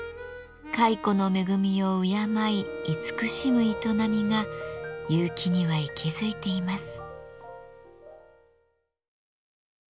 蚕の恵みを敬い慈しむ営みが結城には息づいています。